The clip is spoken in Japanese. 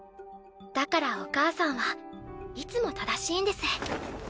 だからお母さんはいつも正しいんです。